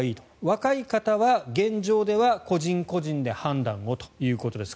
若い方は現状では個人個人で判断をということです。